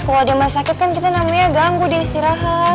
kalo ada mas sakit kan kita namanya ganggu di istirahat